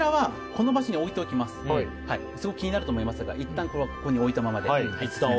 こちらは気になると思いますがいったんこれは、ここに置いたままで。